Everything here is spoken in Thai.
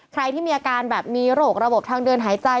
ใครที่มีอาการแบบมีโรคระบบทางเดินหายใจ